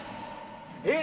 えっ？